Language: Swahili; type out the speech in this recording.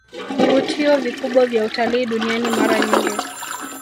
vivutio vikubwa vya utalii duniani Mara nyingi